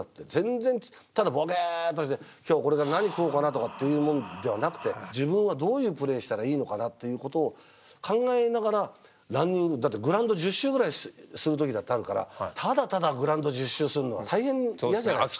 ただボケーッとして今日これから何食おうかなとかっていうもんではなくてっていうことを考えながらランニングだってグラウンド１０周ぐらいする時だってあるからただただグラウンド１０周するのは大変嫌じゃないですか。